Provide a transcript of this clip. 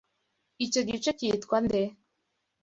Icyo gice cyitwa nde?